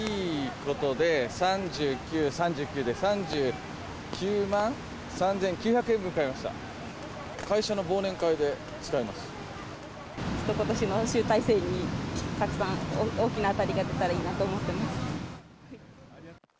ことしの集大成に、たくさん大きな当たりが出たらいいなと思っています。